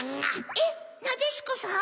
えっなでしこさん？